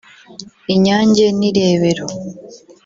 Inyange n’Irebero